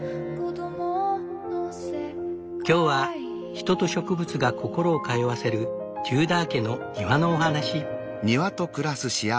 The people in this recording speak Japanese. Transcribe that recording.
今日は人と植物が心を通わせるテューダー家の庭のお話。